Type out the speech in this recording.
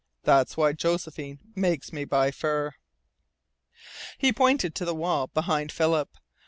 That's why Josephine makes me buy fur." He pointed to the wall behind Philip.